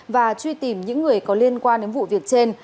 và truy tìm những người có liên quan đến vụ việc trên